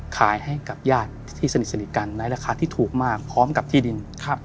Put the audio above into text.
ขายให้กับญาติที่สนิทกันในราคาที่ถูกมากพร้อมกับที่ดิน